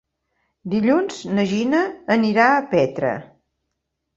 Dilluns na Gina anirà a Petra.